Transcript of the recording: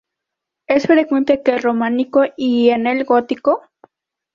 Es frecuente en el románico y en el gótico.